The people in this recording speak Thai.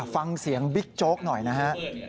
ฟังเสียงบิ๊กโจ๊กหน่อยนะฮะ